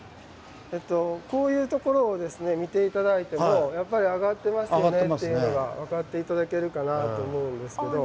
こういう所を見て頂いてもやっぱり上がってますよねっていうのが分かって頂けるかなと思うんですけど。